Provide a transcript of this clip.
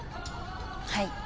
はい。